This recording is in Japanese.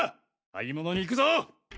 買い物に行くぞ！